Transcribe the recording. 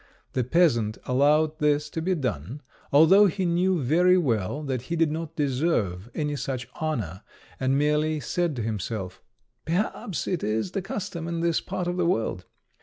The peasant allowed this to be done, although he knew very well that he did not deserve any such honour, and merely said to himself, "Perhaps it is the custom in this part of the world."